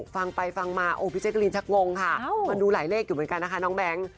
ฟังไปฟังมาโอ้พี่เจ๊กรีนชักงงค่ะมันดูหลายเลขอยู่เหมือนกันนะคะน้องแบงค์